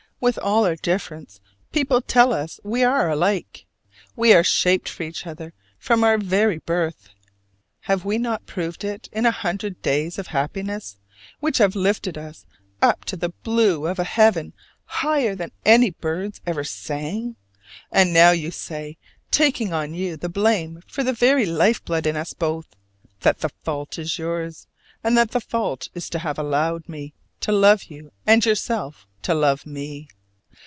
With all our difference people tell us we are alike. We were shaped for each other from our very birth. Have we not proved it in a hundred days of happiness, which have lifted us up to the blue of a heaven higher than any birds ever sang? And now you say taking on you the blame for the very life blood in us both that the fault is yours, and that your fault is to have allowed me to love you and yourself to love me!